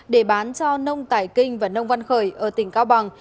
để bán cho nông tài kinh và nông văn khởi ở tỉnh cao bằng